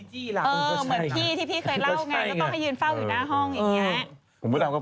เหมือนพี่ที่พี่เคยเล่าอย่างนั้น